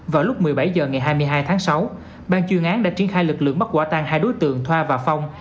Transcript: vào lúc một mươi bảy h ngày hai mươi hai tháng sáu ban chuyên án đã triển khai lực lượng bắt quả tan hai đối tượng thoa và phong